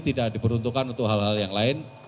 tidak diperuntukkan untuk hal hal yang lain